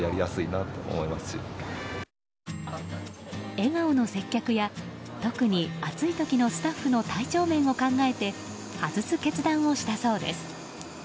笑顔の接客や、特に暑い時のスタッフの体調面を考えて外す決断をしたそうです。